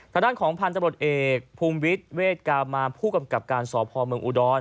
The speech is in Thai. ฐาด้านของพันธ์ตำรวจเอกภูมิวิตเวทกามาผู้กำกับการสอบภอมเมืองอุดร